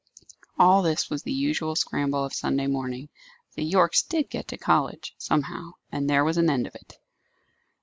All this was the usual scramble of Sunday morning. The Yorkes did get to college, somehow, and there was an end of it.